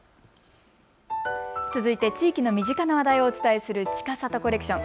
続いて地域の身近な話題をお伝えするちかさとコレクション。